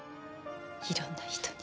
いろんな人に。